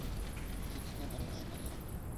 Dirección: Av.